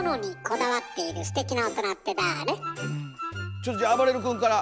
ちょっとじゃああばれる君から。